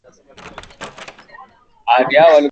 Wanaona matokeo yao.